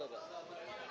terima kasih banyak